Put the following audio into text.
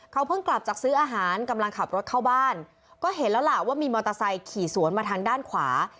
เขาเพิ่งกลับจากซื้ออาหารกำลังขับรถเข้าบ้านก็เห็นแล้วล่ะว่ามีมอเตอร์ไซค์ขี่สวนมาทางด้านขวา